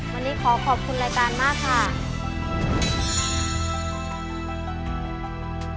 วันนี้ขอขอบคุณรายการมากค่ะ